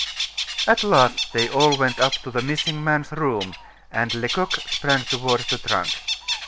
At last they all went up to the missing man's room, and Lecoq sprang toward the trunk.